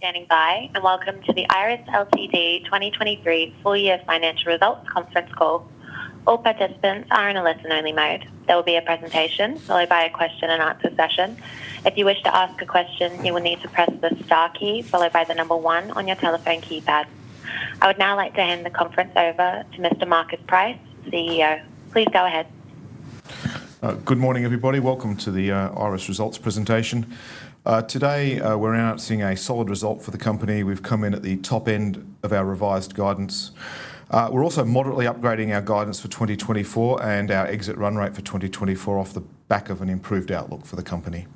Thank you for standing by, and welcome to the Iress Ltd 2023 full year financial results conference call. All participants are in a listen-only mode. There will be a presentation followed by a question-and-answer session. If you wish to ask a question, you will need to press the star key followed by the number one on your telephone keypad. I would now like to hand the conference over to Mr. Marcus Price, CEO. Please go ahead. Good morning, everybody. Welcome to the Iress results presentation. Today we're announcing a solid result for the company. We've come in at the top end of our revised guidance. We're also moderately upgrading our guidance for 2024 and our exit run rate for 2024 off the back of an improved outlook for the company.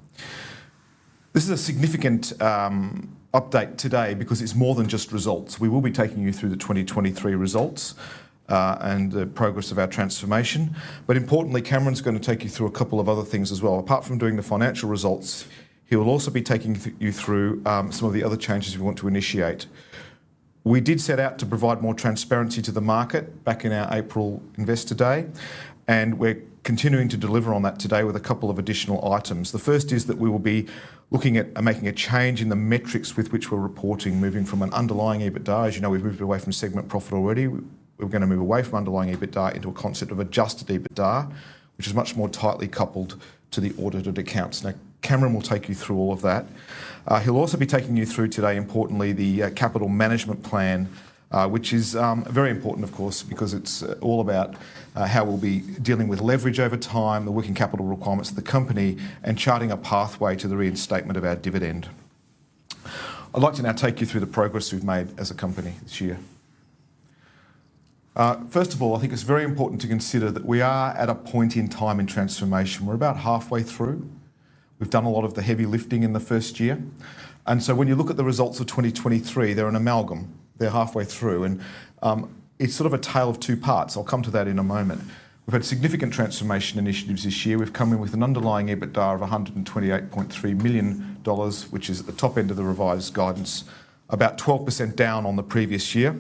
This is a significant update today because it's more than just results. We will be taking you through the 2023 results and the progress of our transformation. But importantly, Cameron's going to take you through a couple of other things as well. Apart from doing the financial results, he will also be taking you through some of the other changes we want to initiate. We did set out to provide more transparency to the market back in our April Investor Day, and we're continuing to deliver on that today with a couple of additional items. The first is that we will be looking at making a change in the metrics with which we're reporting, moving from an underlying EBITDA. As you know, we've moved away from segment profit already. We're going to move away from underlying EBITDA into a concept of adjusted EBITDA, which is much more tightly coupled to the audited accounts. Now, Cameron will take you through all of that. He'll also be taking you through today, importantly, the capital management plan, which is very important, of course, because it's all about how we'll be dealing with leverage over time, the working capital requirements of the company, and charting a pathway to the reinstatement of our dividend. I'd like to now take you through the progress we've made as a company this year. First of all, I think it's very important to consider that we are at a point in time in transformation. We're about halfway through. We've done a lot of the heavy lifting in the first year. And so when you look at the results of 2023, they're an amalgam. They're halfway through. And it's sort of a tale of two parts. I'll come to that in a moment. We've had significant transformation initiatives this year. We've come in with an Underlying EBITDA of 128.3 million dollars, which is at the top end of the revised guidance, about 12% down on the previous year.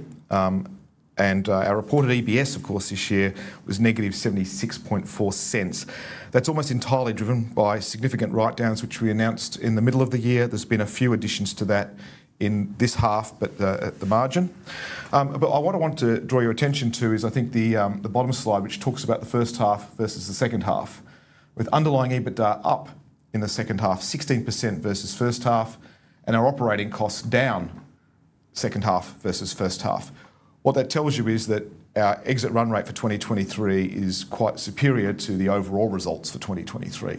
And our reported EPS, of course, this year was -0.764. That's almost entirely driven by significant write-downs which we announced in the middle of the year. There's been a few additions to that in this half but at the margin. What I want to draw your attention to is I think the bottom slide, which talks about the first half versus the second half, with Underlying EBITDA up in the second half 16% versus first half and our operating costs down second half versus first half. What that tells you is that our exit run rate for 2023 is quite superior to the overall results for 2023.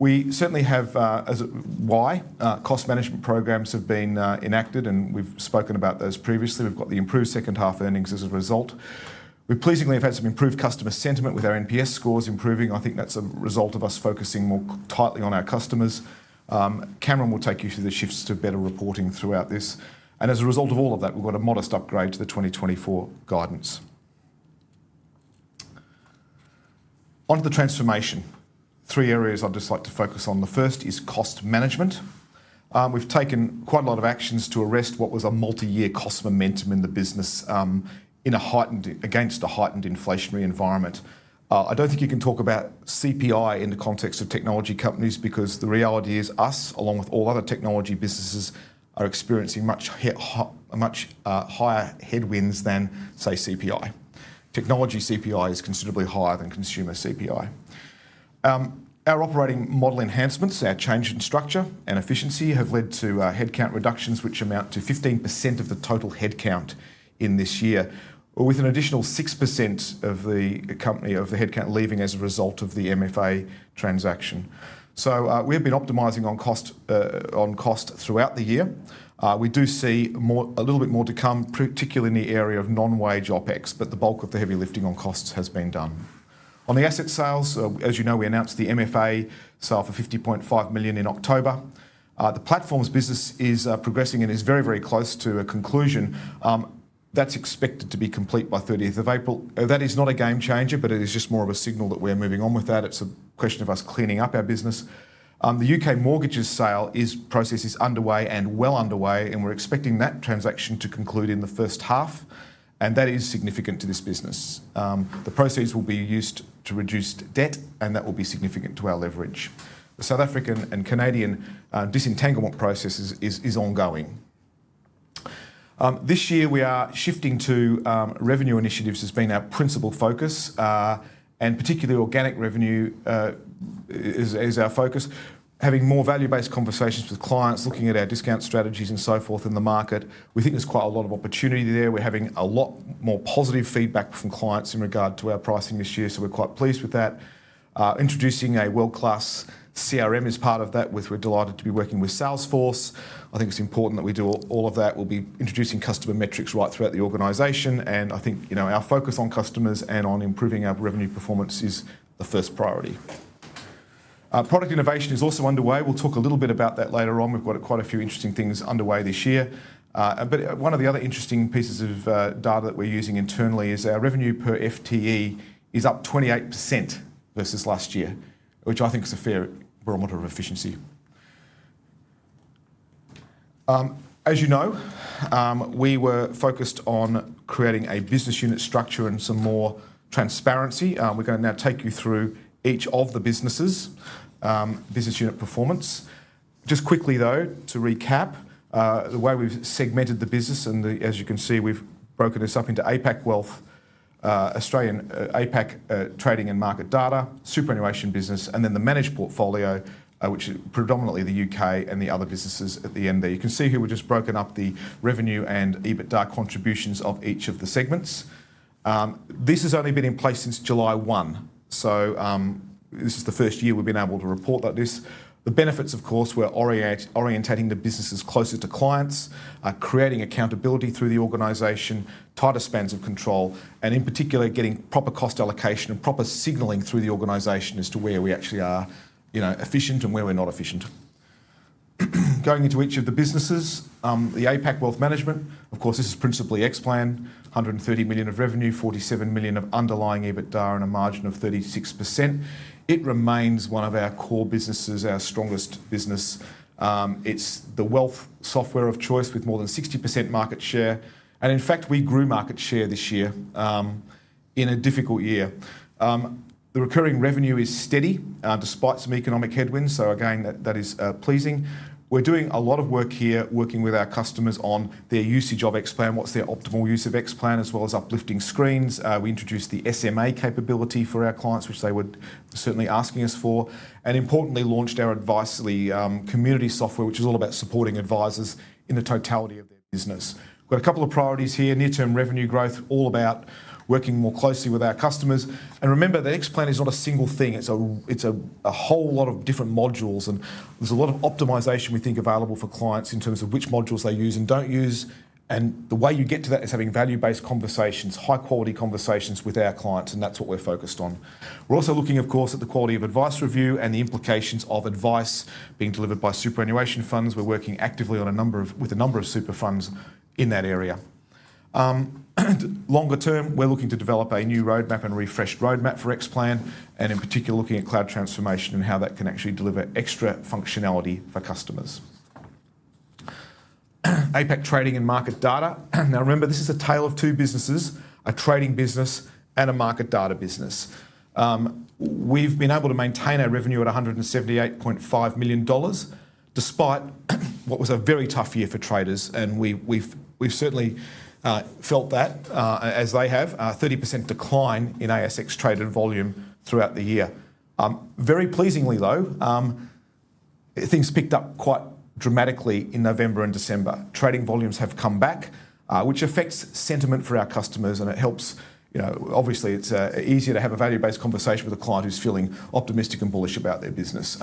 We certainly have why. Cost management programs have been enacted, and we've spoken about those previously. We've got the improved second half earnings as a result. We've pleasingly had some improved customer sentiment with our NPS scores improving. I think that's a result of us focusing more tightly on our customers. Cameron will take you through the shifts to better reporting throughout this. As a result of all of that, we've got a modest upgrade to the 2024 guidance. Onto the transformation, three areas I'd just like to focus on. The first is cost management. We've taken quite a lot of actions to arrest what was a multi-year cost momentum in the business against a heightened inflationary environment. I don't think you can talk about CPI in the context of technology companies because the reality is us, along with all other technology businesses, are experiencing much higher headwinds than, say, CPI. Technology CPI is considerably higher than consumer CPI. Our operating model enhancements, our change in structure and efficiency, have led to headcount reductions which amount to 15% of the total headcount in this year, with an additional 6% of the headcount leaving as a result of the MFA transaction. So we have been optimizing on cost throughout the year. We do see a little bit more to come, particularly in the area of non-wage OpEx, but the bulk of the heavy lifting on costs has been done. On the asset sales, as you know, we announced the MFA sale for 50.5 million in October. The platforms business is progressing and is very, very close to a conclusion. That's expected to be complete by 30th of April. That is not a game changer, but it is just more of a signal that we're moving on with that. It's a question of us cleaning up our business. The U.K. mortgages sale process is underway and well underway, and we're expecting that transaction to conclude in the first half. That is significant to this business. The proceeds will be used to reduce debt, and that will be significant to our leverage. The South African and Canadian disentanglement process is ongoing. This year we are shifting to revenue initiatives has been our principal focus, and particularly organic revenue is our focus. Having more value-based conversations with clients, looking at our discount strategies and so forth in the market. We think there's quite a lot of opportunity there. We're having a lot more positive feedback from clients in regard to our pricing this year, so we're quite pleased with that. Introducing a world-class CRM as part of that, which we're delighted to be working with Salesforce. I think it's important that we do all of that. We'll be introducing customer metrics right throughout the organization. And I think our focus on customers and on improving our revenue performance is the first priority. Product innovation is also underway. We'll talk a little bit about that later on. We've got quite a few interesting things underway this year. But one of the other interesting pieces of data that we're using internally is our revenue per FTE is up 28% versus last year, which I think is a fair barometer of efficiency. As you know, we were focused on creating a business unit structure and some more transparency. We're going to now take you through each of the businesses' business unit performance. Just quickly, though, to recap the way we've segmented the business. And as you can see, we've broken this up into APAC Wealth, Australian APAC Trading and Market Data, superannuation business, and then the managed portfolio, which is predominantly the U.K. and the other businesses at the end there. You can see here we've just broken up the revenue and EBITDA contributions of each of the segments. This has only been in place since July 1. So this is the first year we've been able to report this. The benefits, of course, we're orientating the businesses closer to clients, creating accountability through the organization, tighter spans of control, and in particular getting proper cost allocation and proper signalling through the organization as to where we actually are efficient and where we're not efficient. Going into each of the businesses, the APAC Wealth, of course, this is principally Xplan, 130 million of revenue, 47 million of Underlying EBITDA, and a margin of 36%. It remains one of our core businesses, our strongest business. It's the wealth software of choice with more than 60% market share. And in fact, we grew market share this year in a difficult year. The recurring revenue is steady despite some economic headwinds. So again, that is pleasing. We're doing a lot of work here working with our customers on their usage of Xplan, what's their optimal use of Xplan, as well as uplifting screens. We introduced the SMA capability for our clients, which they were certainly asking us for, and importantly launched our Advisory Community software, which is all about supporting advisors in the totality of their business. We've got a couple of priorities here, near-term revenue growth, all about working more closely with our customers. And remember that Xplan is not a single thing. It's a whole lot of different modules. And there's a lot of optimization we think available for clients in terms of which modules they use and don't use. And the way you get to that is having value-based conversations, high-quality conversations with our clients. And that's what we're focused on. We're also looking, of course, at the quality of advice review and the implications of advice being delivered by superannuation funds. We're working actively with a number of super funds in that area. Longer term, we're looking to develop a new roadmap and refreshed roadmap for Xplan, and in particular looking at cloud transformation and how that can actually deliver extra functionality for customers. APAC Trading and Market Data. Now remember, this is a tale of two businesses, a trading business and a market data business. We've been able to maintain our revenue at 178.5 million dollars despite what was a very tough year for traders. And we've certainly felt that, as they have, 30% decline in ASX traded volume throughout the year. Very pleasingly, though, things picked up quite dramatically in November and December. Trading volumes have come back, which affects sentiment for our customers. It helps obviously, it's easier to have a value-based conversation with a client who's feeling optimistic and bullish about their business.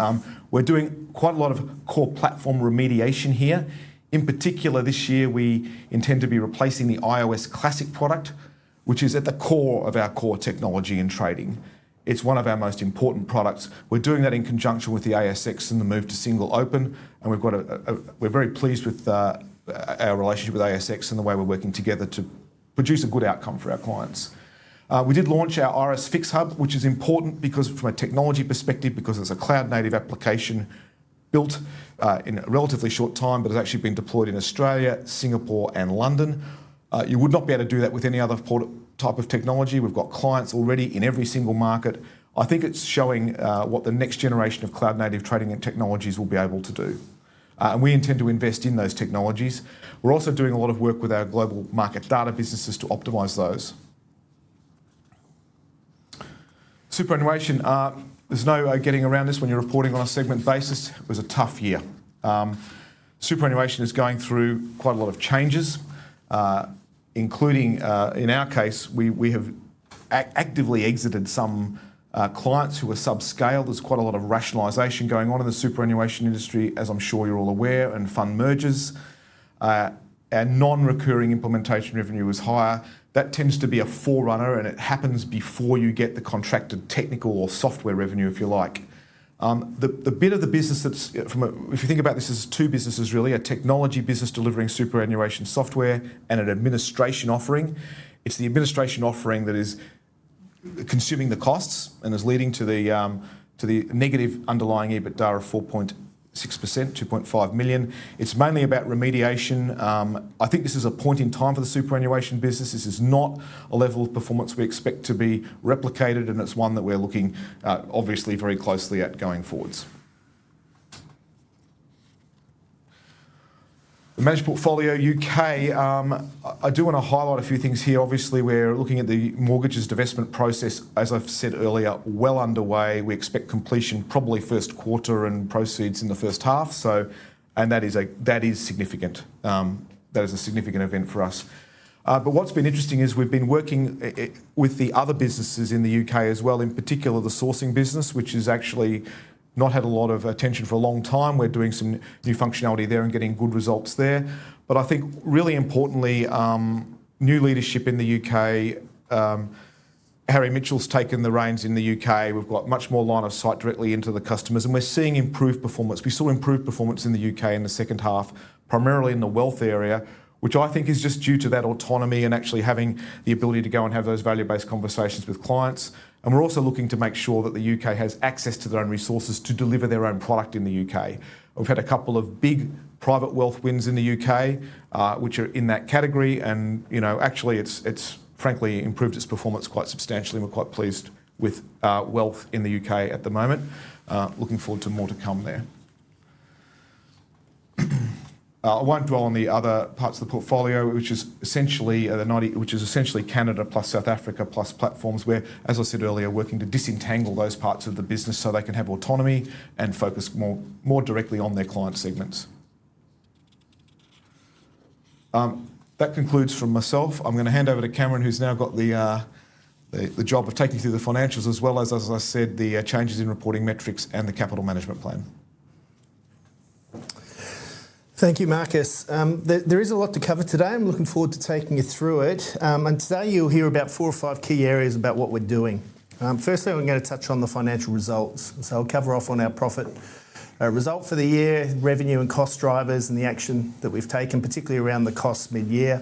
We're doing quite a lot of core platform remediation here. In particular, this year we intend to be replacing the IOS Classic product, which is at the core of our core technology in trading. It's one of our most important products. We're doing that in conjunction with the ASX and the move to single open. We're very pleased with our relationship with ASX and the way we're working together to produce a good outcome for our clients. We did launch our Iress FIX Hub, which is important from a technology perspective because it's a cloud-native application built in a relatively short time, but it's actually been deployed in Australia, Singapore, and London. You would not be able to do that with any other type of technology. We've got clients already in every single market. I think it's showing what the next generation of cloud-native trading and technologies will be able to do. And we intend to invest in those technologies. We're also doing a lot of work with our global market data businesses to optimize those. Superannuation, there's no getting around this. When you're reporting on a segment basis, it was a tough year. Superannuation is going through quite a lot of changes, including in our case, we have actively exited some clients who were subscaled. There's quite a lot of rationalization going on in the superannuation industry, as I'm sure you're all aware, and fund mergers. Our non-recurring implementation revenue is higher. That tends to be a forerunner, and it happens before you get the contracted technical or software revenue, if you like. The bit of the business that's from if you think about this as two businesses really, a technology business delivering superannuation software and an administration offering, it's the administration offering that is consuming the costs and is leading to the negative Underlying EBITDA of 4.6%, 2.5 million. It's mainly about remediation. I think this is a point in time for the superannuation business. This is not a level of performance we expect to be replicated, and it's one that we're looking obviously very closely at going forward. The managed portfolio U.K., I do want to highlight a few things here. Obviously, we're looking at the mortgages divestment process, as I've said earlier, well underway. We expect completion probably first quarter and proceeds in the first half. That is significant. That is a significant event for us. But what's been interesting is we've been working with the other businesses in the U.K. as well, in particular the sourcing business, which has actually not had a lot of attention for a long time. We're doing some new functionality there and getting good results there. But I think really importantly, new leadership in the U.K. Harry Mitchell's taken the reins in the U.K. We've got much more line of sight directly into the customers. And we're seeing improved performance. We saw improved performance in the U.K. in the second half, primarily in the wealth area, which I think is just due to that autonomy and actually having the ability to go and have those value-based conversations with clients. And we're also looking to make sure that the U.K. has access to their own resources to deliver their own product in the U.K. We've had a couple of big private wealth wins in the U.K., which are in that category. Actually, it's frankly improved its performance quite substantially. We're quite pleased with wealth in the U.K. at the moment. Looking forward to more to come there. I won't dwell on the other parts of the portfolio, which is essentially Canada plus South Africa plus platforms. We're, as I said earlier, working to disentangle those parts of the business so they can have autonomy and focus more directly on their client segments. That concludes from myself. I'm going to hand over to Cameron, who's now got the job of taking through the financials as well as, as I said, the changes in reporting metrics and the capital management plan. Thank you, Marcus. There is a lot to cover today. I'm looking forward to taking you through it. And today you'll hear about four or five key areas about what we're doing. Firstly, I'm going to touch on the financial results. So I'll cover off on our profit result for the year, revenue and cost drivers, and the action that we've taken, particularly around the cost mid-year.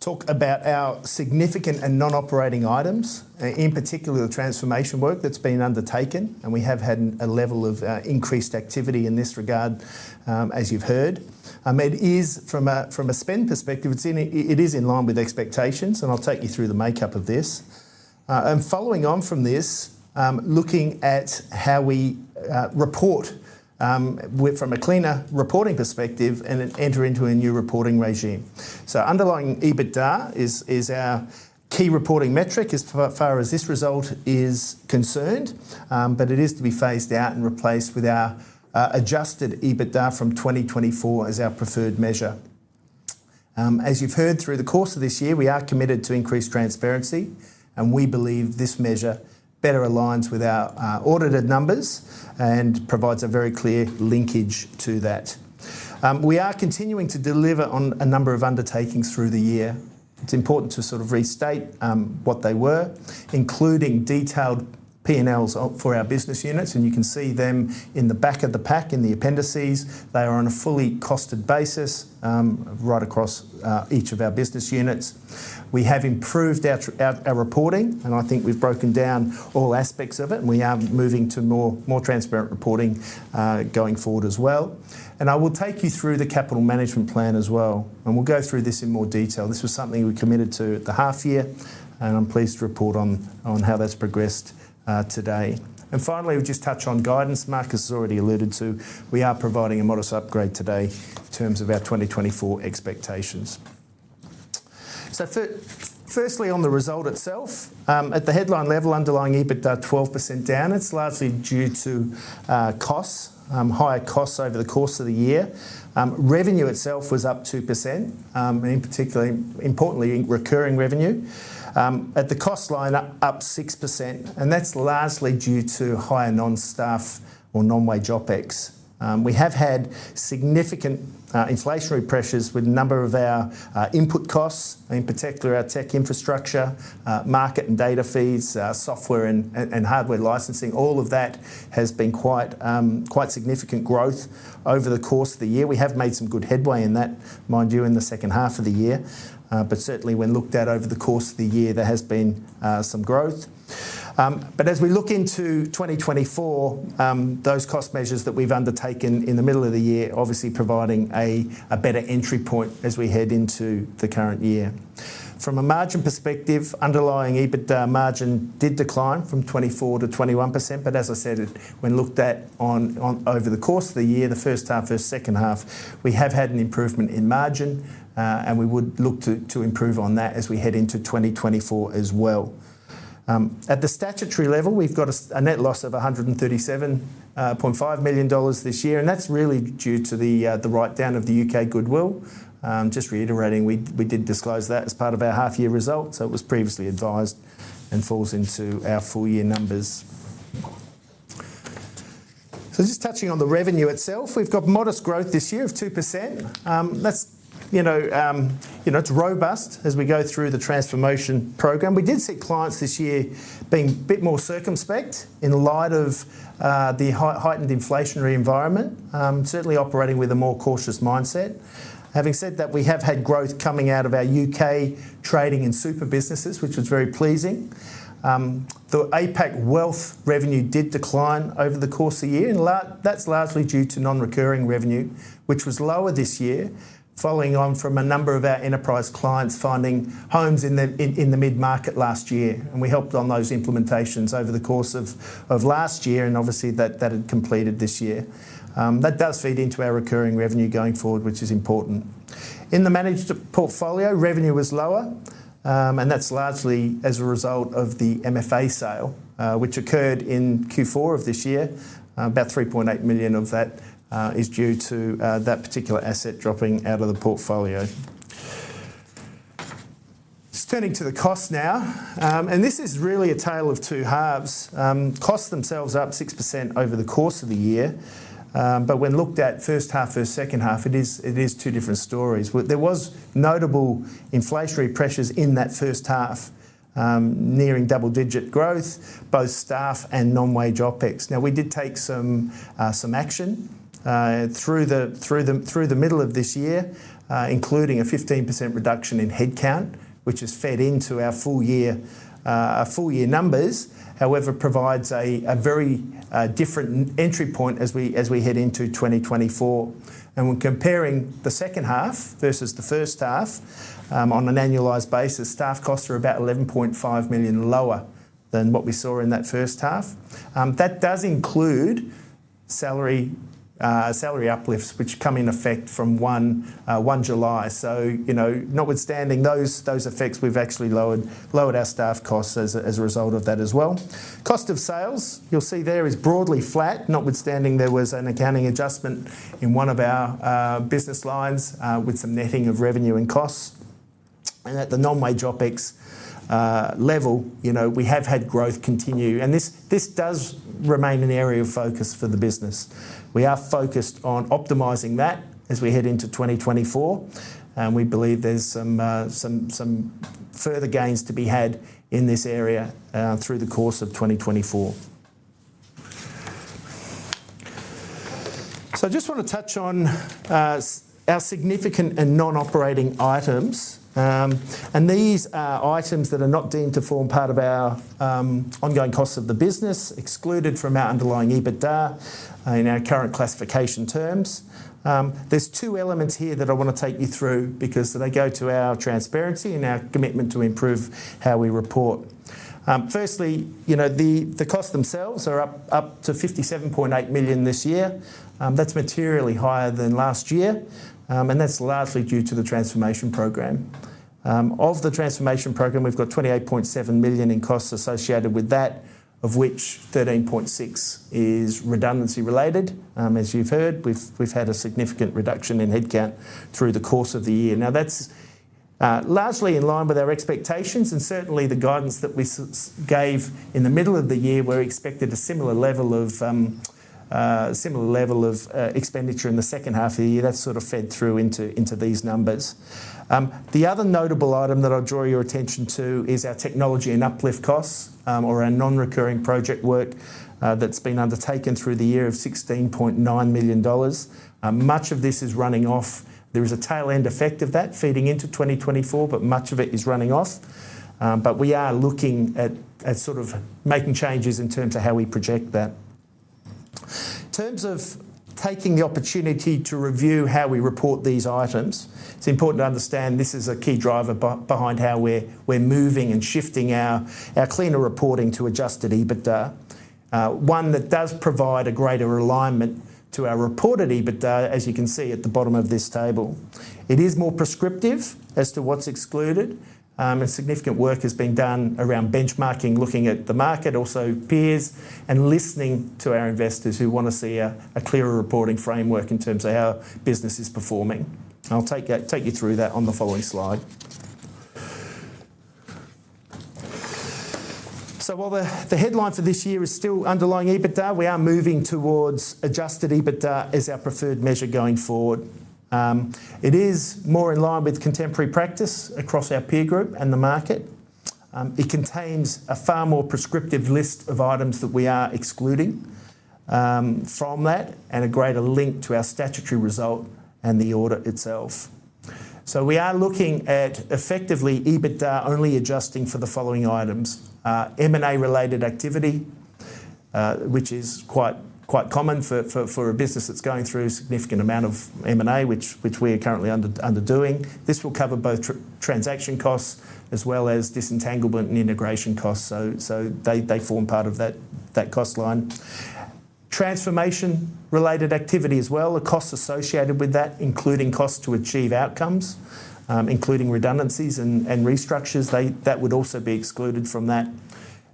Talk about our significant and non-operating items, in particular the transformation work that's been undertaken. And we have had a level of increased activity in this regard, as you've heard. It is from a spend perspective; it is in line with expectations. And I'll take you through the makeup of this. And following on from this, looking at how we report from a cleaner reporting perspective and enter into a new reporting regime. So Underlying EBITDA is our key reporting metric as far as this result is concerned. But it is to be phased out and replaced with our Adjusted EBITDA from 2024 as our preferred measure. As you've heard through the course of this year, we are committed to increased transparency. We believe this measure better aligns with our audited numbers and provides a very clear linkage to that. We are continuing to deliver on a number of undertakings through the year. It's important to sort of restate what they were, including detailed P&Ls for our business units. You can see them in the back of the pack in the appendices. They are on a fully costed basis right across each of our business units. We have improved our reporting. I think we've broken down all aspects of it. We are moving to more transparent reporting going forward as well. I will take you through the capital management plan as well. We'll go through this in more detail. This was something we committed to at the half-year. I'm pleased to report on how that's progressed today. Finally, we'll just touch on guidance, Marcus has already alluded to. We are providing a modest upgrade today in terms of our 2024 expectations. So firstly, on the result itself, at the headline level, Underlying EBITDA 12% down. It's largely due to higher costs over the course of the year. Revenue itself was up 2%. And in particularly, importantly, recurring revenue. At the cost line, up 6%. And that's largely due to higher non-staff or non-wage OpEx. We have had significant inflationary pressures with a number of our input costs, in particular our tech infrastructure, market and data fees, software and hardware licensing. All of that has been quite significant growth over the course of the year. We have made some good headway in that, mind you, in the second half of the year. But certainly, when looked at over the course of the year, there has been some growth. But as we look into 2024, those cost measures that we've undertaken in the middle of the year obviously providing a better entry point as we head into the current year. From a margin perspective, underlying EBITDA margin did decline from 24%-21%. But as I said, when looked at over the course of the year, the first half, first, second half, we have had an improvement in margin. We would look to improve on that as we head into 2024 as well. At the statutory level, we've got a net loss of 137.5 million dollars this year. That's really due to the write-down of the U.K. goodwill. Just reiterating, we did disclose that as part of our half-year result. It was previously advised. Falls into our full-year numbers. Just touching on the revenue itself, we've got modest growth this year of 2%. It's robust as we go through the transformation program. We did see clients this year being a bit more circumspect in light of the heightened inflationary environment, certainly operating with a more cautious mindset. Having said that, we have had growth coming out of our U.K. trading and super businesses, which was very pleasing. The APAC Wealth revenue did decline over the course of the year. And that's largely due to non-recurring revenue, which was lower this year following on from a number of our enterprise clients finding homes in the mid-market last year. And we helped on those implementations over the course of last year. And obviously, that had completed this year. That does feed into our recurring revenue going forward, which is important. In the managed portfolio, revenue was lower. And that's largely as a result of the MFA sale, which occurred in Q4 of this year. About 3.8 million of that is due to that particular asset dropping out of the portfolio. Just turning to the costs now. And this is really a tale of two halves. Costs themselves up 6% over the course of the year. But when looked at first half, first, second half, it is two different stories. There was notable inflationary pressures in that first half nearing double-digit growth, both staff and non-wage OpEx. Now we did take some action through the middle of this year, including a 15% reduction in headcount, which is fed into our full-year numbers. However, it provides a very different entry point as we head into 2024. When comparing the second half versus the first half on an annualized basis, staff costs are about 11.5 million lower than what we saw in that first half. That does include salary uplifts, which come in effect from 1 July. So notwithstanding those effects, we've actually lowered our staff costs as a result of that as well. Cost of sales, you'll see there is broadly flat. Notwithstanding there was an accounting adjustment in one of our business lines with some netting of revenue and costs. At the non-wage OpEx level, we have had growth continue. This does remain an area of focus for the business. We are focused on optimizing that as we head into 2024. We believe there's some further gains to be had in this area through the course of 2024. I just want to touch on our significant and non-operating items. These are items that are not deemed to form part of our ongoing costs of the business, excluded from our underlying EBITDA in our current classification terms. There's two elements here that I want to take you through because they go to our transparency and our commitment to improve how we report. Firstly, the costs themselves are up to 57.8 million this year. That's materially higher than last year. That's largely due to the transformation program. Of the transformation program, we've got 28.7 million in costs associated with that, of which 13.6 million is redundancy related. As you've heard, we've had a significant reduction in headcount through the course of the year. Now that's largely in line with our expectations. And certainly, the guidance that we gave in the middle of the year, we're expected a similar level of expenditure in the second half of the year. That's sort of fed through into these numbers. The other notable item that I'll draw your attention to is our technology and uplift costs or our non-recurring project work that's been undertaken through the year of 16.9 million dollars. Much of this is running off. There is a tail-end effect of that feeding into 2024. But much of it is running off. But we are looking at sort of making changes in terms of how we project that. In terms of taking the opportunity to review how we report these items, it's important to understand this is a key driver behind how we're moving and shifting our cleaner reporting to Adjusted EBITDA. One that does provide a greater alignment to our reported EBITDA, as you can see at the bottom of this table. It is more prescriptive as to what's excluded. Significant work has been done around benchmarking, looking at the market, also peers, and listening to our investors who want to see a clearer reporting framework in terms of how business is performing. I'll take you through that on the following slide. So while the headline for this year is still Underlying EBITDA, we are moving towards Adjusted EBITDA as our preferred measure going forward. It is more in line with contemporary practice across our peer group and the market. It contains a far more prescriptive list of items that we are excluding from that and a greater link to our statutory result and the audit itself. So we are looking at effectively EBITDA only adjusting for the following items: M&A related activity, which is quite common for a business that's going through a significant amount of M&A, which we are currently undergoing. This will cover both transaction costs as well as disentanglement and integration costs. So they form part of that cost line. Transformation related activity as well, the costs associated with that, including costs to achieve outcomes, including redundancies and restructures. That would also be excluded from that.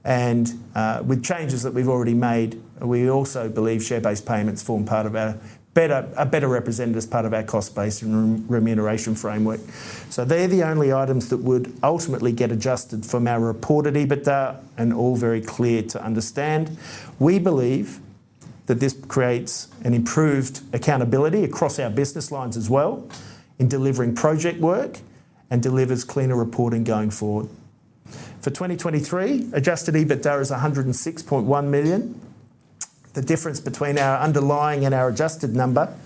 And with changes that we've already made, we also believe share-based payments form part of our better represented as part of our cost base and remuneration framework. So they're the only items that would ultimately get adjusted from our reported EBITDA and all very clear to understand. We believe that this creates an improved accountability across our business lines as well in delivering project work and delivers cleaner reporting going forward. For 2023, Adjusted EBITDA is 106.1 million. The difference between our Underlying and our Adjusted number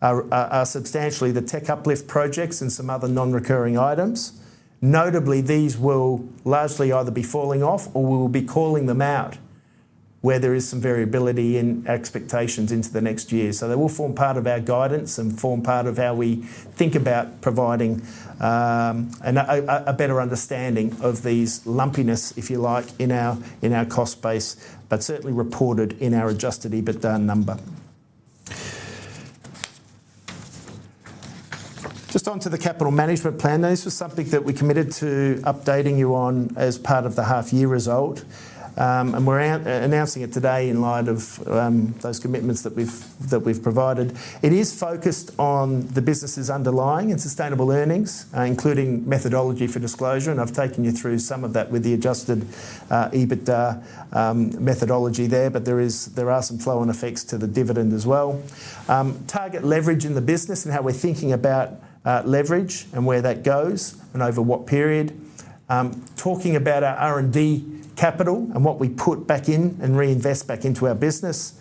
are substantially the tech uplift projects and some other non-recurring items. Notably, these will largely either be falling off or we will be calling them out where there is some variability in expectations into the next year. So they will form part of our guidance and form part of how we think about providing a better understanding of these lumpiness, if you like, in our cost base but certainly reported in our Adjusted EBITDA number. Just onto the capital management plan. Now this was something that we committed to updating you on as part of the half-year result. And we're announcing it today in light of those commitments that we've provided. It is focused on the business's underlying and sustainable earnings, including methodology for disclosure. And I've taken you through some of that with the Adjusted EBITDA methodology there. But there are some flow-on effects to the dividend as well. Target leverage in the business and how we're thinking about leverage and where that goes and over what period. Talking about our R&D capital and what we put back in and reinvest back into our business.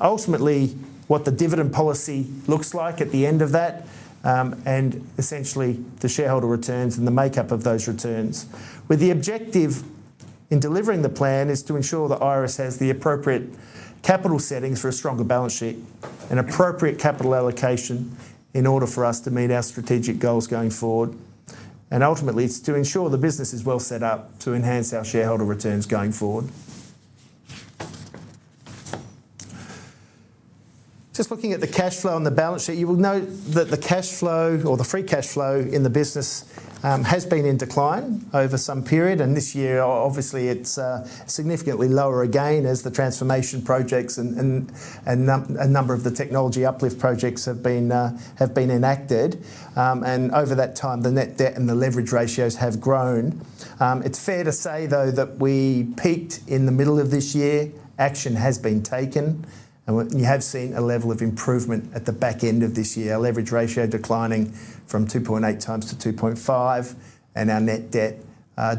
Ultimately, what the dividend policy looks like at the end of that and essentially the shareholder returns and the makeup of those returns. With the objective in delivering the plan is to ensure Iress has the appropriate capital settings for a stronger balance sheet and appropriate capital allocation in order for us to meet our strategic goals going forward. Ultimately, it's to ensure the business is well set up to enhance our shareholder returns going forward. Just looking at the cash flow on the balance sheet, you will note that the cash flow or the free cash flow in the business has been in decline over some period. This year, obviously, it's significantly lower again as the transformation projects and a number of the technology uplift projects have been enacted. Over that time, the net debt and the leverage ratios have grown. It's fair to say, though, that we peaked in the middle of this year. Action has been taken. You have seen a level of improvement at the back end of this year, our leverage ratio declining from 2.8x to 2.5x and our net debt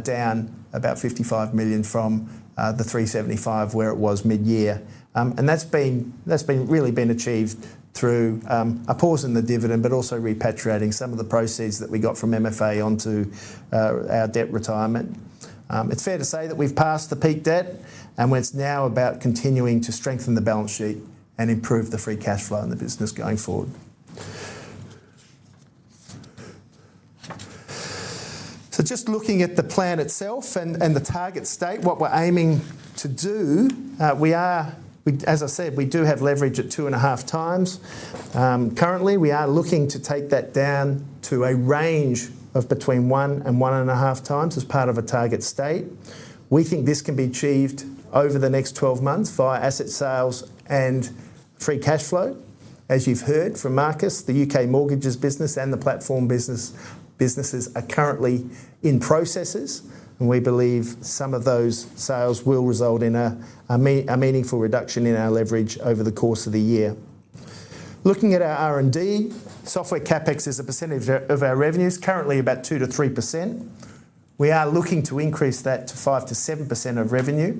down about 55 million from the 375 million where it was mid-year. That's been really achieved through a pause in the dividend but also repatriating some of the proceeds that we got from MFA onto our debt retirement. It's fair to say that we've passed the peak debt. It's now about continuing to strengthen the balance sheet and improve the free cash flow in the business going forward. Just looking at the plan itself and the target state, what we're aiming to do, we are, as I said, we do have leverage at 2.5x. Currently, we are looking to take that down to a range of between 1x and 1.5x as part of a target state. We think this can be achieved over the next 12 months via asset sales and free cash flow. As you've heard from Marcus, the U.K. mortgages business and the platform businesses are currently in processes. We believe some of those sales will result in a meaningful reduction in our leverage over the course of the year. Looking at our R&D, software CapEx is a percentage of our revenues, currently about 2%-3%. We are looking to increase that to 5%-7% of revenue.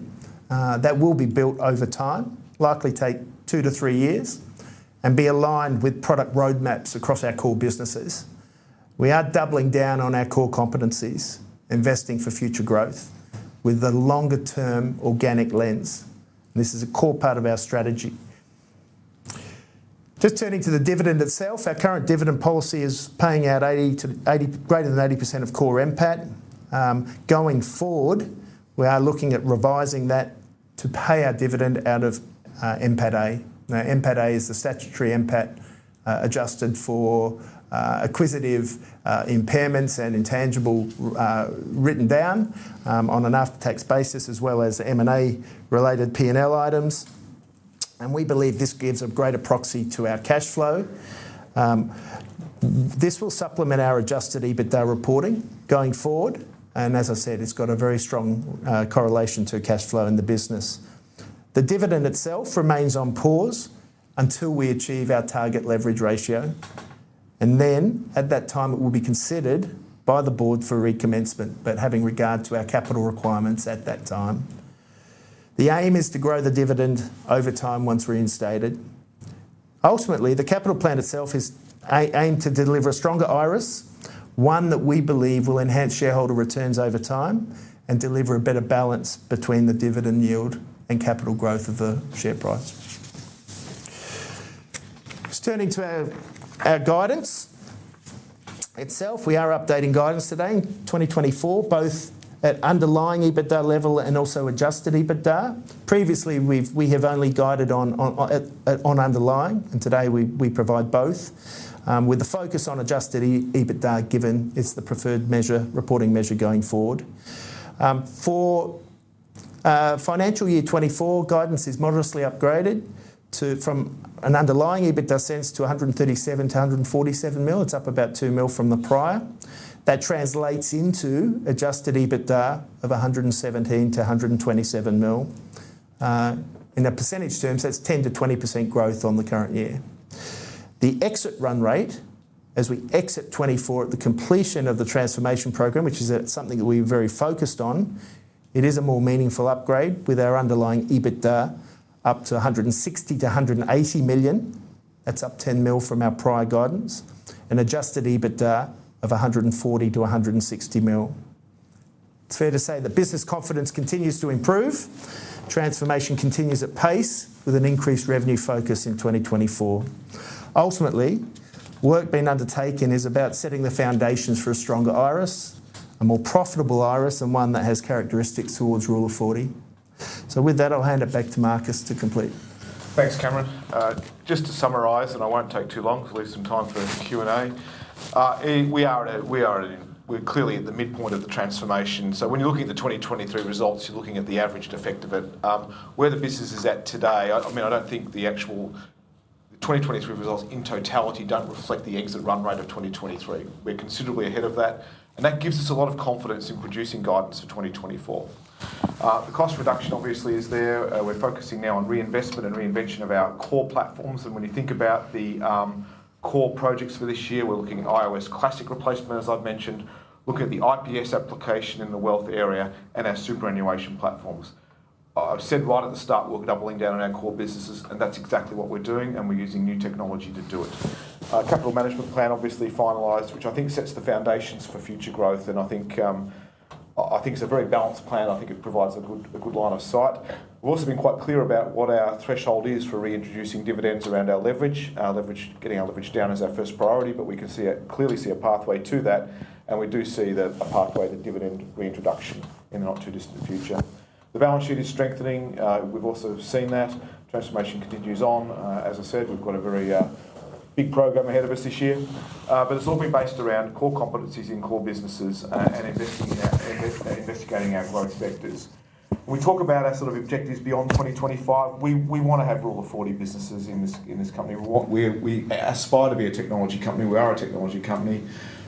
That will be built over time, likely take two to three years, and be aligned with product roadmaps across our core businesses. We are doubling down on our core competencies, investing for future growth with a longer-term organic lens. This is a core part of our strategy. Just turning to the dividend itself, our current dividend policy is paying out 80%-greater than 80% of core NPAT. Going forward, we are looking at revising that to pay our dividend out of NPAT-A. Now, NPAT-A is the statutory NPAT adjusted for acquisitive impairments and intangible write-downs on an after-tax basis as well as M&A related P&L items. We believe this gives a greater proxy to our cash flow. This will supplement our Adjusted EBITDA reporting going forward. As I said, it's got a very strong correlation to cash flow in the business. The dividend itself remains on pause until we achieve our target leverage ratio. Then, at that time, it will be considered by the board for recommencement, but having regard to our capital requirements at that time. The aim is to grow the dividend over time once reinstated. Ultimately, the capital plan itself is aimed to deliver a stronger Iress, one that we believe will enhance shareholder returns over time and deliver a better balance between the dividend yield and capital growth of the share price. Just turning to our guidance itself, we are updating guidance today in 2024 both at Underlying EBITDA level and also Adjusted EBITDA. Previously, we have only guided on Underlying. Today, we provide both with the focus on Adjusted EBITDA given it's the preferred measure, reporting measure going forward. For financial year 2024, guidance is moderately upgraded from an underlying EBITDA sense to 137 million-147 million. It's up about 2 million from the prior. That translates into adjusted EBITDA of 117 million-127 million. In percentage terms, that's 10%-20% growth on the current year. The exit run rate, as we exit 2024 at the completion of the transformation program, which is something that we are very focused on, it is a more meaningful upgrade with our underlying EBITDA up to 160 million-180 million. That's up 10 million from our prior guidance. And adjusted EBITDA of 140 million-160 million. It's fair to say that business confidence continues to improve. Transformation continues at pace with an increased revenue focus in 2024. Ultimately, work being undertaken is about setting the foundations for a stronger Iress, a more profitable Iress, and one that has characteristics towards Rule of 40. So with that, I'll hand it back to Marcus to complete. Thanks, Cameron. Just to summarize, and I won't take too long because we'll leave some time for Q&A. We're clearly at the midpoint of the transformation. So when you're looking at the 2023 results, you're looking at the averaged effect of it. Where the business is at today, I mean, I don't think the 2023 results in totality don't reflect the exit run rate of 2023. We're considerably ahead of that. And that gives us a lot of confidence in producing guidance for 2024. The cost reduction, obviously, is there. We're focusing now on reinvestment and reinvention of our core platforms. And when you think about the core projects for this year, we're looking at IOS Classic replacement, as I've mentioned, looking at the IPS application in the wealth area and our superannuation platforms. I've said, right at the start, we're doubling down on our core businesses. And that's exactly what we're doing. And we're using new technology to do it. Capital management plan, obviously, finalized, which I think sets the foundations for future growth. And I think—I think it's a very balanced plan. I think it provides a good line of sight. We've also been quite clear about what our threshold is for reintroducing dividends around our leverage. Getting our leverage down is our first priority. But we can clearly see a pathway to that. And we do see a pathway to dividend reintroduction in the not too distant future. The balance sheet is strengthening. We've also seen that. Transformation continues on. As I said, we've got a very big program ahead of us this year. But it's all been based around core competencies in core businesses and investigating our growth sectors. When we talk about our sort of objectives beyond 2025, we want to have Rule of 40 businesses in this company. We aspire to be a technology company. We are a technology company.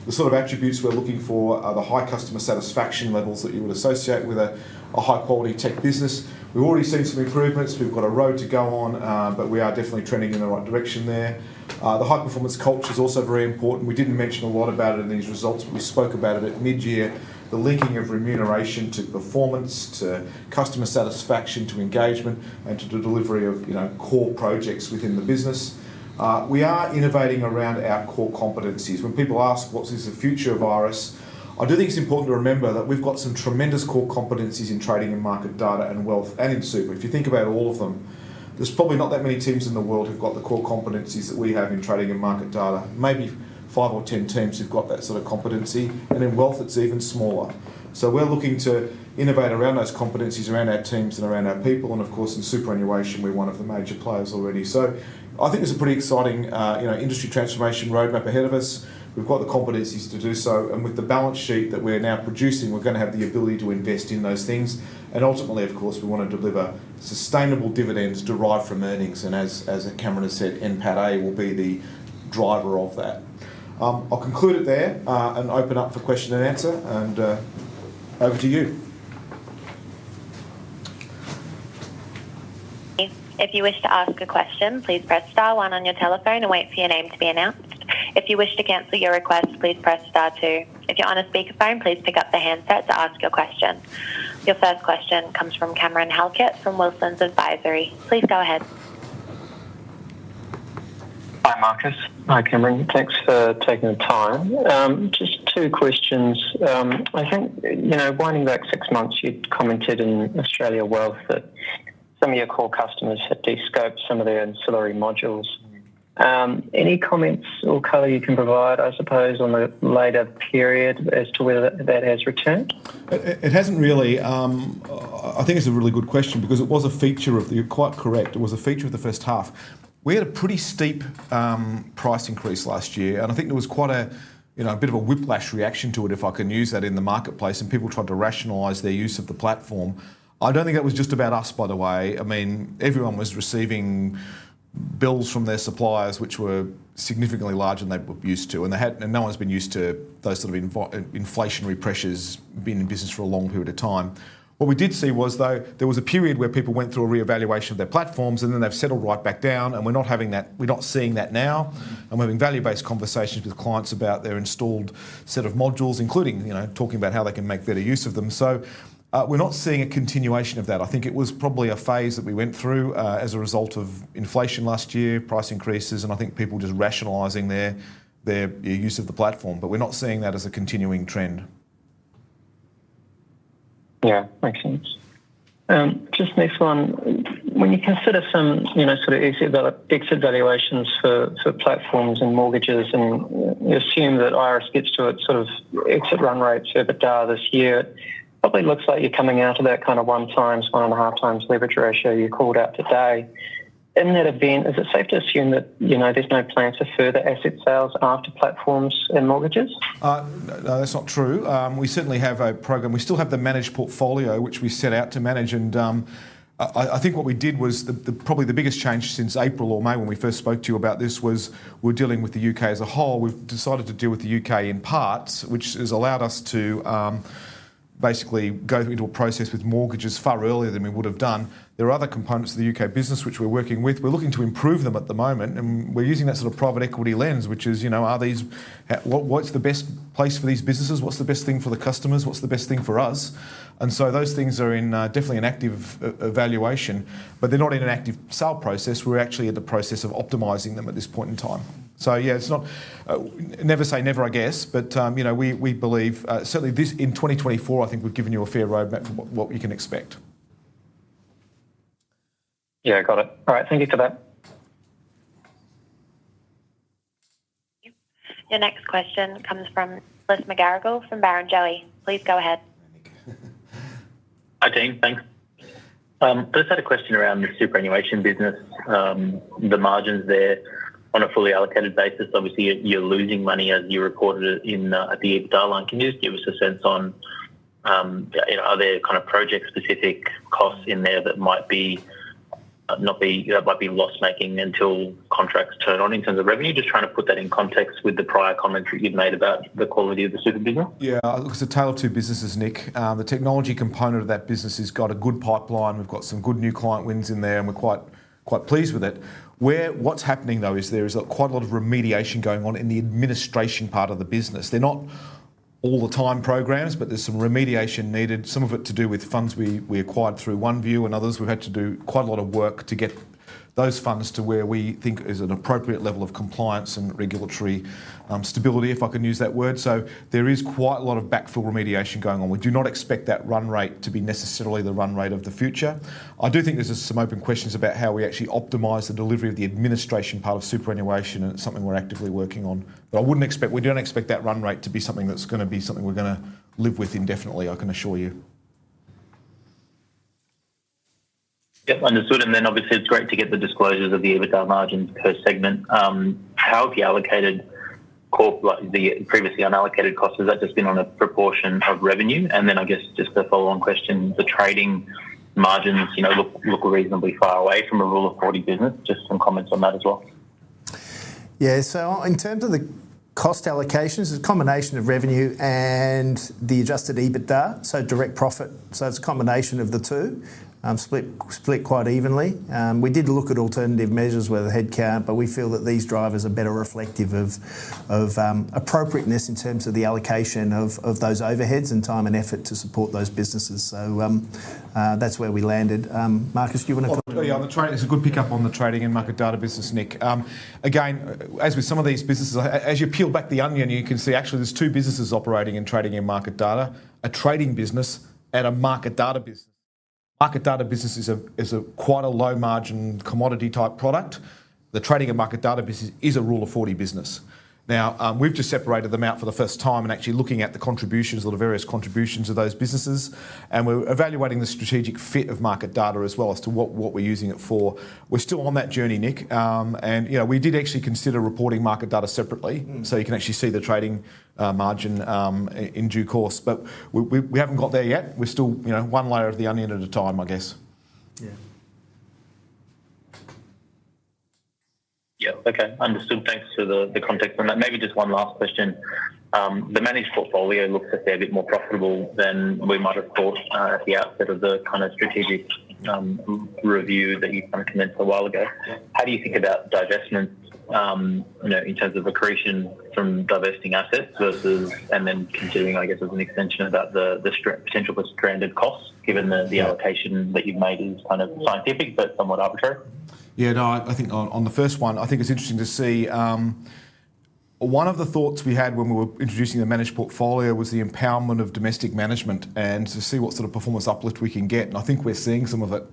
The sort of attributes we're looking for are the high customer satisfaction levels that you would associate with a high-quality tech business. We've already seen some improvements. We've got a road to go on. But we are definitely trending in the right direction there. The high-performance culture is also very important. We didn't mention a lot about it in these results. But we spoke about it at mid-year, the linking of remuneration to performance, to customer satisfaction, to engagement, and to the delivery of core projects within the business. We are innovating around our core competencies. When people ask, "What's the future of Iress?" I do think it's important to remember that we've got some tremendous core competencies in trading and market data and wealth and in super. If you think about all of them, there's probably not that many teams in the world who've got the core competencies that we have in trading and market data. Maybe five or 10 teams who've got that sort of competency. And in wealth, it's even smaller. So we're looking to innovate around those competencies, around our teams and around our people. And of course, in superannuation, we're one of the major players already. So I think there's a pretty exciting industry transformation roadmap ahead of us. We've got the competencies to do so. And with the balance sheet that we're now producing, we're going to have the ability to invest in those things. Ultimately, of course, we want to deliver sustainable dividends derived from earnings. As Cameron has said, NPAT-A will be the driver of that. I'll conclude it there and open up for question and answer. Over to you. If you wish to ask a question, please press star one on your telephone and wait for your name to be announced. If you wish to cancel your request, please press star two. If you're on a speakerphone, please pick up the handset to ask your question. Your first question comes from Cameron Halkett from Wilsons Advisory. Please go ahead. Hi, Marcus. Hi, Cameron. Thanks for taking the time. Just two questions. I think, you know, winding back six months, you'd commented in Australia Wealth that some of your core customers had descoped some of their ancillary modules. Any comments or color you can provide, I suppose, on the later period as to whether that has returned? It hasn't really. I think it's a really good question because it was a feature of the—you're quite correct—it was a feature of the first half. We had a pretty steep price increase last year. And I think there was quite a bit of a whiplash reaction to it, if I can use that, in the marketplace. And people tried to rationalize their use of the platform. I don't think that was just about us, by the way. I mean, everyone was receiving bills from their suppliers which were significantly larger than they were used to. And no one's been used to those sort of inflationary pressures being in business for a long period of time. What we did see was, though, there was a period where people went through a reevaluation of their platforms. And then they've settled right back down. And we're not having that—we're not seeing that now. And we're having value-based conversations with clients about their installed set of modules, including talking about how they can make better use of them. So we're not seeing a continuation of that. I think it was probably a phase that we went through as a result of inflation last year, price increases, and I think people just rationalizing their use of the platform. But we're not seeing that as a continuing trend. Yeah, makes sense. Just next one. When you consider some sort of exit valuations for platforms and mortgages and you assume that Iress gets to its sort of exit run rate survey data this year, it probably looks like you're coming out of that kind of 1x, 1.5x leverage ratio you called out today. In that event, is it safe to assume that there's no plans for further asset sales after platforms and mortgages? No, that's not true. We certainly have a program. We still have the managed portfolio which we set out to manage. And I think what we did was probably the biggest change since April or May when we first spoke to you about this was we're dealing with the U.K. as a whole. We've decided to deal with the U.K. in parts, which has allowed us to basically go into a process with mortgages far earlier than we would have done. There are other components of the U.K. business which we're working with. We're looking to improve them at the moment. And we're using that sort of private equity lens, which is, are these - what's the best place for these businesses? What's the best thing for the customers? What's the best thing for us? And so those things are definitely in an active evaluation. But they're not in an active sale process. We're actually in the process of optimizing them at this point in time. So yeah, it's not - never say never, I guess. But we believe certainly this in 2024, I think we've given you a fair roadmap for what you can expect. Yeah, got it. All right, thank you for that. Your next question comes from Nick McGarrigle from Barrenjoey. Please go ahead. Hi. Thanks. Had a question around the superannuation business, the margins there on a fully allocated basis. Obviously, you're losing money, as you reported it, at the EBITDA line. Can you just give us a sense on - are there kind of project-specific costs in there that might be - that might be loss-making until contracts turn on in terms of revenue? Just trying to put that in context with the prior comments that you've made about the quality of the super business. Yeah, because it's a tail-to businesses, Nick. The technology component of that business has got a good pipeline. We've got some good new client wins in there. And we're quite pleased with it. What's happening, though, is there is quite a lot of remediation going on in the administration part of the business. They're not all the time programs. But there's some remediation needed, some of it to do with funds we acquired through OneVue and others. We've had to do quite a lot of work to get those funds to where we think is an appropriate level of compliance and regulatory stability, if I can use that word. So there is quite a lot of backfill remediation going on. We do not expect that run rate to be necessarily the run rate of the future. I do think there's some open questions about how we actually optimise the delivery of the administration part of superannuation. It's something we're actively working on. But I wouldn't expect—we don't expect that run rate to be something that's going to be something we're going to live with indefinitely, I can assure you. Yep, understood. And then obviously, it's great to get the disclosures of the EBITDA margins per segment. How have you allocated core—the previously unallocated costs? Has that just been on a proportion of revenue? And then I guess just a follow-on question, the trading margins look reasonably far away from a Rule of 40 business. Just some comments on that as well. Yeah, so in terms of the cost allocations, it's a combination of revenue and the Adjusted EBITDA, so direct profit. So it's a combination of the two, split quite evenly. We did look at alternative measures where the headcount. But we feel that these drivers are better reflective of appropriateness in terms of the allocation of those overheads and time and effort to support those businesses. So that's where we landed. Marcus, do you want to comment? Yeah, on the trading, it's a good pickup on the Trading and Market Data business, Nick. Again, as with some of these businesses, as you peel back the onion, you can see actually there's two businesses operating in Trading and Market Data: a trading business and a market data business. Market data business is quite a low-margin commodity type product. The Trading and Market Data business is a Rule of 40 business. Now, we've just separated them out for the first time and actually looking at the contributions, the various contributions of those businesses. And we're evaluating the strategic fit of market data as well as to what we're using it for. We're still on that journey, Nick. We did actually consider reporting market data separately. You can actually see the trading margin in due course. We haven't got there yet. We're still one layer of the onion at a time, I guess. Yeah. Yeah, okay, understood. Thanks for the context on that. Maybe just one last question. The managed portfolio looks to be a bit more profitable than we might have thought at the outset of the kind of strategic review that you kind of commenced a while ago. How do you think about divestment in terms of accretion from divesting assets versus, and then considering, I guess, as an extension about the potential for stranded costs, given the allocation that you've made is kind of scientific but somewhat arbitrary? Yeah, no, I think on the first one, I think it's interesting to see. One of the thoughts we had when we were introducing the managed portfolio was the empowerment of domestic management and to see what sort of performance uplift we can get. And I think we're seeing some of it.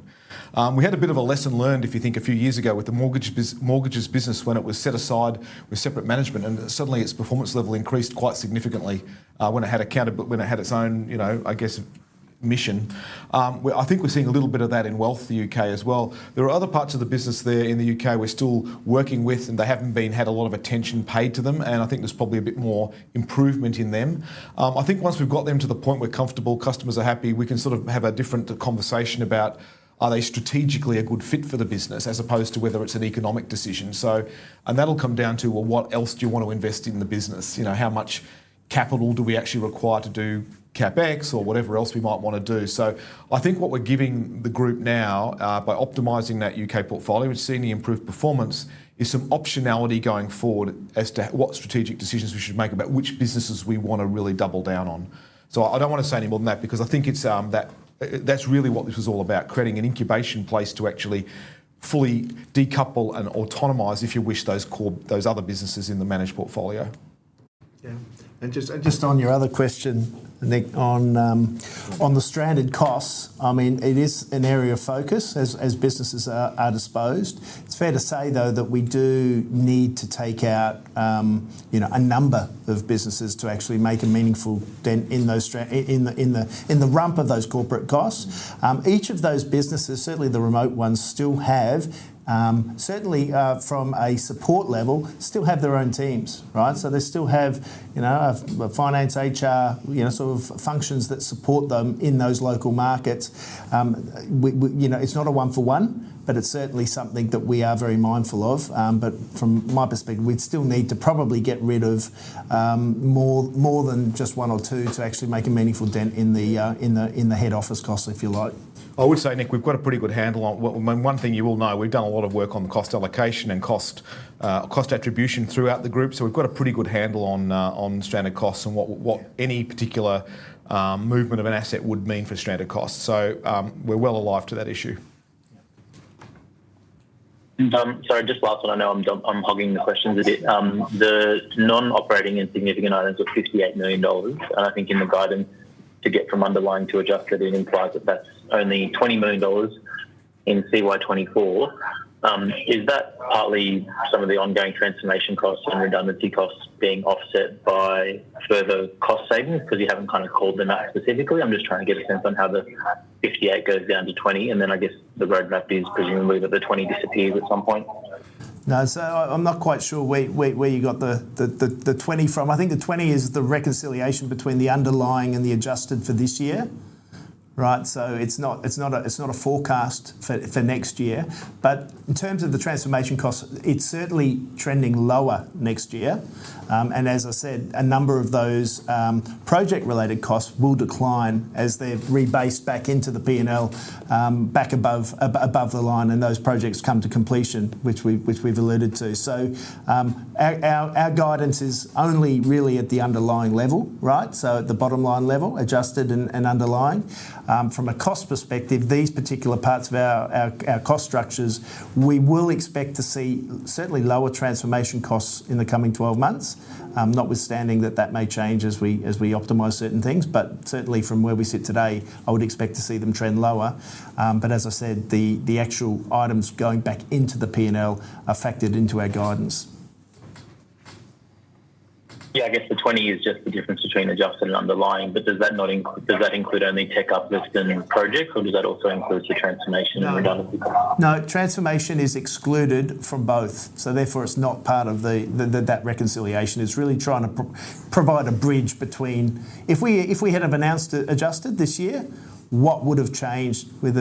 We had a bit of a lesson learned, if you think, a few years ago with the mortgages business when it was set aside with separate management. And suddenly, its performance level increased quite significantly when it had its own, I guess, mission. I think we're seeing a little bit of that in wealth, the U.K., as well. There are other parts of the business there in the U.K. we're still working with. And they haven't had a lot of attention paid to them. And I think there's probably a bit more improvement in them. I think once we've got them to the point we're comfortable, customers are happy, we can sort of have a different conversation about are they strategically a good fit for the business as opposed to whether it's an economic decision. And that'll come down to, well, what else do you want to invest in the business? How much capital do we actually require to do CapEx or whatever else we might want to do? So I think what we're giving the group now by optimizing that U.K. portfolio, which is seeing the improved performance, is some optionality going forward as to what strategic decisions we should make about which businesses we want to really double down on. So I don't want to say any more than that because I think that's really what this was all about, creating an incubation place to actually fully decouple and autonomize, if you wish, those other businesses in the managed portfolio. Yeah, and just on your other question, Nick, on the stranded costs, I mean, it is an area of focus as businesses are disposed. It's fair to say, though, that we do need to take out a number of businesses to actually make a meaningful dent in the rump of those corporate costs. Each of those businesses, certainly the remote ones, still have, certainly from a support level, still have their own teams, right? So they still have finance, HR, sort of functions that support them in those local markets. It's not a one-for-one. But it's certainly something that we are very mindful of. But from my perspective, we'd still need to probably get rid of more than just one or two to actually make a meaningful dent in the head office costs, if you like. I would say, Nick, we've got a pretty good handle on one thing you will know. We've done a lot of work on the cost allocation and cost attribution throughout the group. So we've got a pretty good handle on stranded costs and what any particular movement of an asset would mean for stranded costs. So we're well alive to that issue. Sorry, just last one. I know I'm hogging the questions a bit. The non-operating and significant items are AUD 58 million. And I think in the guidance to get from Underlying to Adjusted, it implies that that's only AUD 20 million in CY 2024. Is that partly some of the ongoing transformation costs and redundancy costs being offset by further cost savings because you haven't kind of called them out specifically? I'm just trying to get a sense on how the 58 goes down to 20. And then I guess the roadmap is presumably that the 20 disappears at some point. No, so I'm not quite sure where you got the 20 from. I think the 20 is the reconciliation between the underlying and the adjusted for this year, right? So it's not a forecast for next year. But in terms of the transformation costs, it's certainly trending lower next year. And as I said, a number of those project-related costs will decline as they're rebased back into the P&L back above the line and those projects come to completion, which we've alluded to. So our guidance is only really at the underlying level, right? So at the bottom line level, adjusted and underlying. From a cost perspective, these particular parts of our cost structures, we will expect to see certainly lower transformation costs in the coming 12 months. Notwithstanding that that may change as we optimize certain things. But certainly from where we sit today, I would expect to see them trend lower. But as I said, the actual items going back into the P&L are factored into our guidance. Yeah, I guess the 20 is just the difference between adjusted and underlying. But does that include only tech uplift and projects? Or does that also include the transformation and redundancy costs? No, transformation is excluded from both. So therefore, it's not part of that reconciliation. It's really trying to provide a bridge between if we had have announced adjusted this year, what would have changed with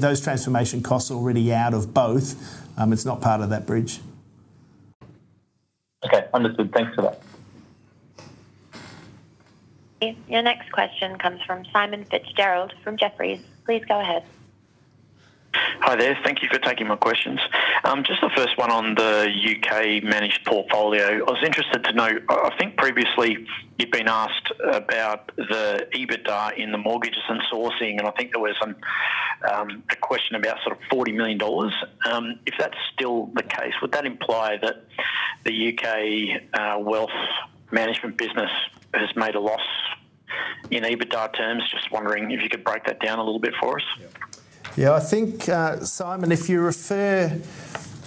those transformation costs already out of both? It's not part of that bridge. Okay, understood. Thanks for that. Your next question comes from Simon Fitzgerald from Jefferies. Please go ahead. Hi there. Thank you for taking my questions. Just the first one on the U.K. managed portfolio. I was interested to know, I think previously you've been asked about the EBITDA in the mortgages and sourcing. And I think there was a question about sort of 40 million dollars. If that's still the case, would that imply that the U.K. wealth management business has made a loss in EBITDA terms? Just wondering if you could break that down a little bit for us. Yeah, I think, Simon, if you refer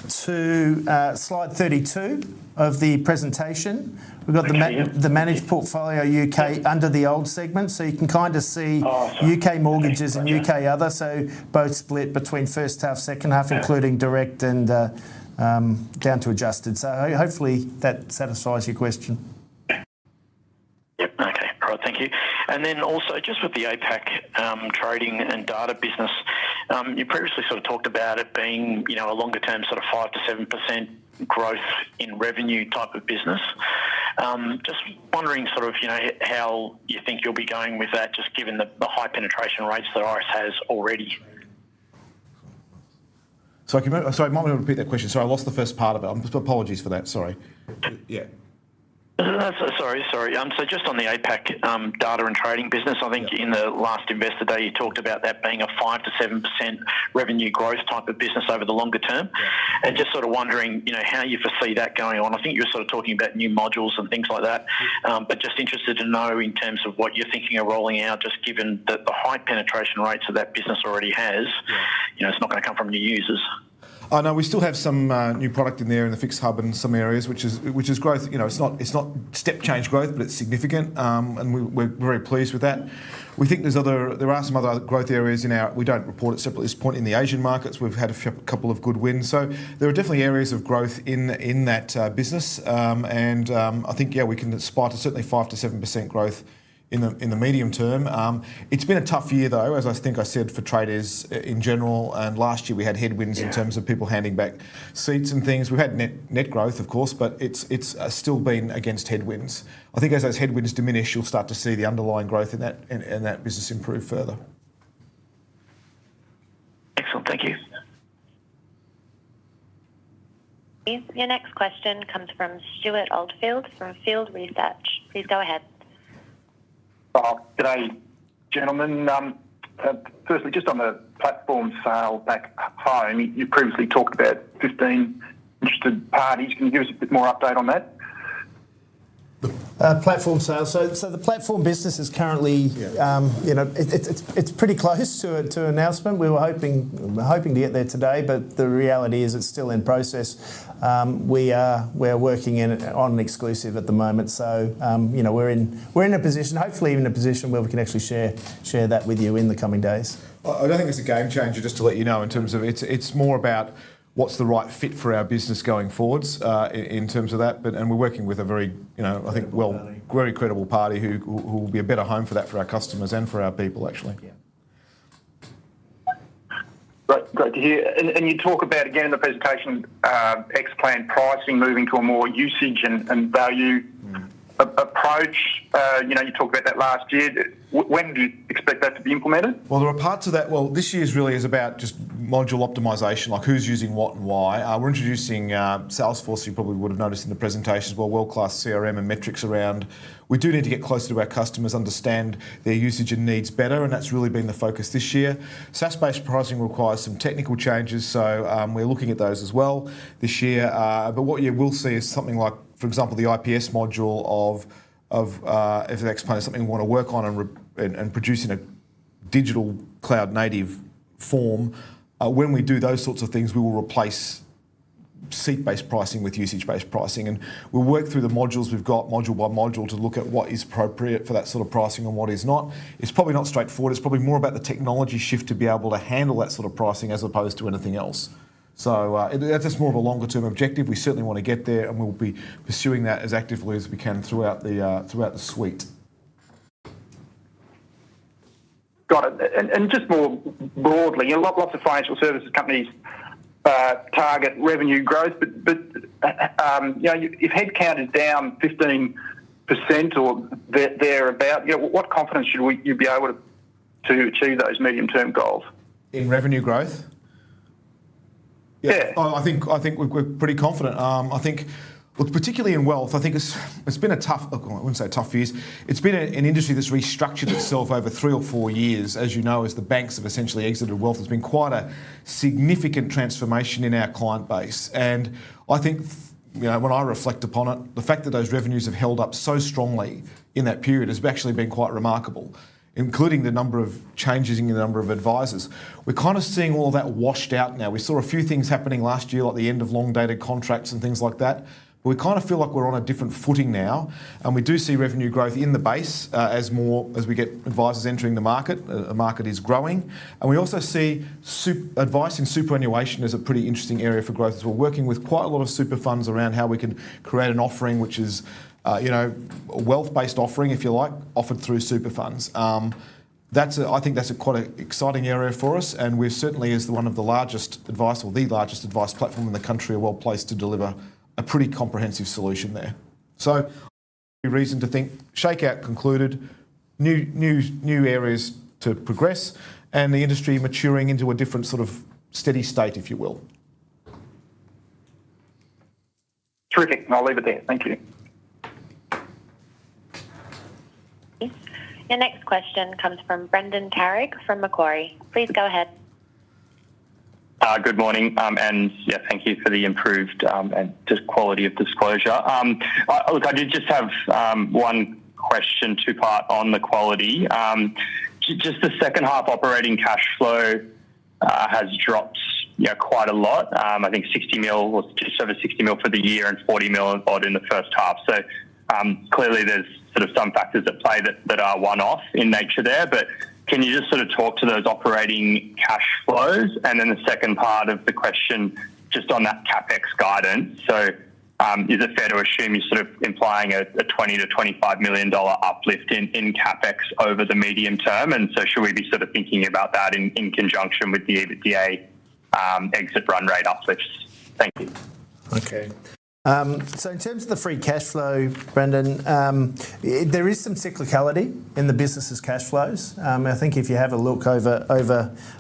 to slide 32 of the presentation, we've got the managed portfolio U.K. under the old segment. So you can kind of see U.K. mortgages and U.K. other. So both split between first half, second half, including direct and down to adjusted. So hopefully, that satisfies your question. Yep, okay, all right, thank you. And then also just with the APAC trading and data business, you previously sort of talked about it being a longer-term sort of 5%-7% growth in revenue type of business. Just wondering sort of how you think you'll be going with that just given the high penetration rates that Iress has already. Sorry, I can't remember. Sorry, I might want to repeat that question. Sorry, I lost the first part of it. Apologies for that, sorry. Yeah. Sorry, sorry. So just on the APAC data and trading business, I think in the last investor day, you talked about that being a 5%-7% revenue growth type of business over the longer term. And just sort of wondering how you foresee that going on. I think you were sort of talking about new modules and things like that. But just interested to know in terms of what you're thinking of rolling out just given that the high penetration rates that that business already has, it's not going to come from new users. I know we still have some new product in there in the FIX Hub in some areas, which is growth. It's not step change growth. But it's significant. And we're very pleased with that. We think there are some other growth areas in our we don't report it separately at this point in the Asian markets. We've had a couple of good wins. So there are definitely areas of growth in that business. And I think, yeah, we can spot a certainly 5%-7% growth in the medium term. It's been a tough year, though, as I think I said for traders in general. And last year, we had headwinds in terms of people handing back seats and things. We've had net growth, of course. But it's still been against headwinds. I think as those headwinds diminish, you'll start to see the underlying growth in that business improve further. Excellent, thank you. Your next question comes from Stuart Oldfield from Field Research. Please go ahead. Good day, gentlemen. Firstly, just on the platform sale back home, you previously talked about 15 interested parties. Can you give us a bit more update on that? Platform sale. So the platform business is currently it's pretty close to announcement. We were hoping to get there today. But the reality is it's still in process. We are working on an exclusive at the moment. So we're in a position, hopefully even a position where we can actually share that with you in the coming days. I don't think it's a game changer, just to let you know, in terms of it's more about what's the right fit for our business going forward in terms of that. And we're working with a very, I think, very credible party who will be a better home for that for our customers and for our people, actually. Great, great to hear. And you talk about, again, in the presentation, Xplan pricing moving to a more usage and value approach. You talked about that last year. When do you expect that to be implemented? Well, there are parts of that. Well, this year's really is about just module optimization, like who's using what and why. We're introducing Salesforce, you probably would have noticed in the presentations, well, world-class CRM and metrics around we do need to get closer to our customers, understand their usage and needs better. And that's really been the focus this year. SaaS-based pricing requires some technical changes. So we're looking at those as well this year. But what you will see is something like, for example, the IPS module or Xplan is something we want to work on and produce in a digital cloud-native form. When we do those sorts of things, we will replace seat-based pricing with usage-based pricing. And we'll work through the modules we've got, module by module, to look at what is appropriate for that sort of pricing and what is not. It's probably not straightforward. It's probably more about the technology shift to be able to handle that sort of pricing as opposed to anything else. So that's just more of a longer-term objective. We certainly want to get there. And we'll be pursuing that as actively as we can throughout the suite. Got it. And just more broadly, lots of financial services companies target revenue growth. But if headcount is down 15% or thereabout, what confidence should you be able to achieve those medium-term goals? In revenue growth? Yeah. I think we're pretty confident. I think, particularly in wealth, I think it's been a tough. I wouldn't say tough years. It's been an industry that's restructured itself over three or four years. As you know, as the banks have essentially exited wealth, there's been quite a significant transformation in our client base. And I think when I reflect upon it, the fact that those revenues have held up so strongly in that period has actually been quite remarkable, including the number of changes in the number of advisors. We're kind of seeing all of that washed out now. We saw a few things happening last year like the end of long-dated contracts and things like that. But we kind of feel like we're on a different footing now. And we do see revenue growth in the base as we get advisors entering the market. The market is growing. And we also see advice in superannuation as a pretty interesting area for growth as well. Working with quite a lot of super funds around how we can create an offering, which is a wealth-based offering, if you like, offered through super funds. I think that's quite an exciting area for us. We certainly, as one of the largest advice or the largest advice platform in the country, are well placed to deliver a pretty comprehensive solution there. So reason to think shakeout concluded, new areas to progress, and the industry maturing into a different sort of steady state, if you will. Terrific. I'll leave it there. Thank you. Your next question comes from Brendan Carrig from Macquarie. Please go ahead. Good morning. Yeah, thank you for the improved quality of disclosure. Look, I do just have one question, two-part, on the quality. Just the second half, operating cash flow has dropped quite a lot. I think 60 million was just over 60 million for the year and 40 million in the first half. So clearly, there's sort of some factors at play that are one-off in nature there. But can you just sort of talk to those operating cash flows? And then the second part of the question just on that CapEx guidance. So is it fair to assume you're sort of implying an 20 million-25 million dollar uplift in CapEx over the medium term? And so should we be sort of thinking about that in conjunction with the EBITDA exit run rate uplifts? Thank you. Okay. So in terms of the free cash flow, Brendan, there is some cyclicality in the business's cash flows. I think if you have a look over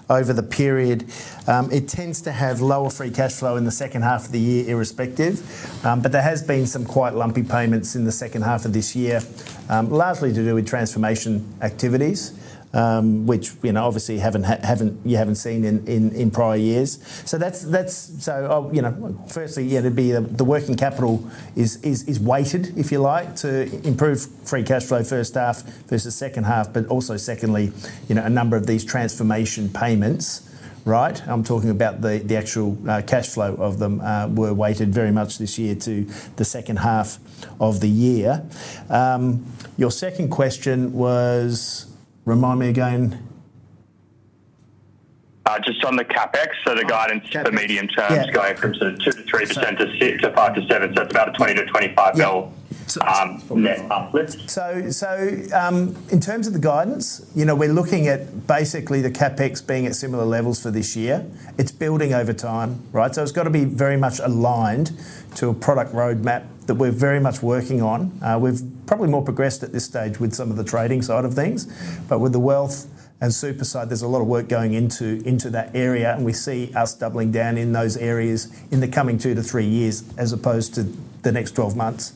the period, it tends to have lower free cash flow in the second half of the year irrespective. But there has been some quite lumpy payments in the second half of this year, largely to do with transformation activities, which obviously you haven't seen in prior years. So firstly, it'd be the working capital is weighted, if you like, to improve free cash flow first half versus second half. But also secondly, a number of these transformation payments, right? I'm talking about the actual cash flow of them, were weighted very much this year to the second half of the year. Your second question was remind me again. Just on the CapEx, so the guidance for medium terms going from sort of 2%-3% to 5%-7%, so it's about a 20-25 million net uplift. So in terms of the guidance, we're looking at basically the CapEx being at similar levels for this year. It's building over time, right? So it's got to be very much aligned to a product roadmap that we're very much working on. We've probably more progressed at this stage with some of the trading side of things. But with the wealth and super side, there's a lot of work going into that area. We see us doubling down in those areas in the coming two to three years as opposed to the next 12 months.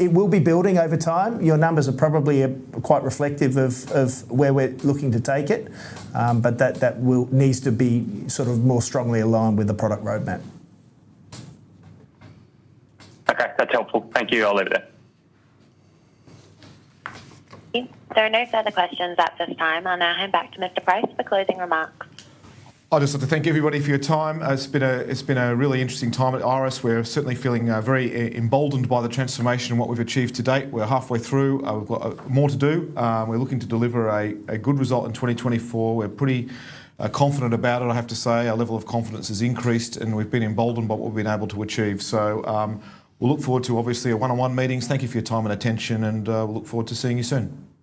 It will be building over time. Your numbers are probably quite reflective of where we're looking to take it. But that needs to be sort of more strongly aligned with the product roadmap. Okay, that's helpful. Thank you. I'll leave it there. There are no further questions at this time. I'll now hand back to Mr. Price for closing remarks. I just want to thank everybody for your time. It's been a really interesting time at Iress. We're certainly feeling very emboldened by the transformation and what we've achieved to date. We're halfway through. We've got more to do. We're looking to deliver a good result in 2024. We're pretty confident about it, I have to say. Our level of confidence has increased. We've been emboldened by what we've been able to achieve. We'll look forward to, obviously, our one-on-one meetings. Thank you for your time and attention. We'll look forward to seeing you soon.